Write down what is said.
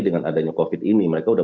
dengan adanya covid ini mereka sudah